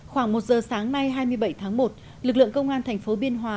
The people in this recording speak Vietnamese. khoảng một giờ sáng nay hai mươi bảy tháng một lực lượng công an thành phố biên hòa